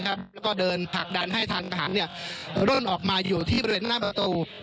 แล้วก็เดินผลักดันให้ทางทหารร่นออกมาอยู่ที่บริเวณหน้าประตู